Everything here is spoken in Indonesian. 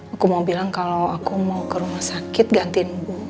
aku mau bilang kalau aku mau ke rumah sakit gantiin bu